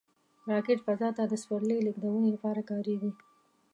راکټ فضا ته د سپرلي لیږدونې لپاره کارېږي